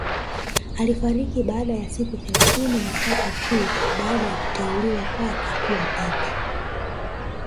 Alifariki baada ya siku thelathini na tatu tu baada ya kuteuliwa kwake kuwa papa